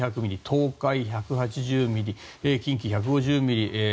東海、１８０ミリ近畿、１５０ミリ